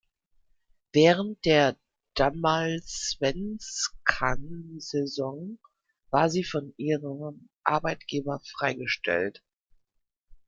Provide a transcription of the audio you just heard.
Während der Damallsvenskan-Saison war sie von ihrem Arbeitgeber freigestellt.